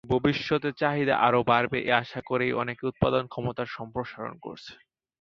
ভবিষ্যতে চাহিদা আরও বাড়বে এ আশা করেই অনেকে উৎপাদন ক্ষমতার সম্প্রসারণ করছে।